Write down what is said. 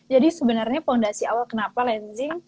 jadi sebenarnya fondasi awal kenapa lensy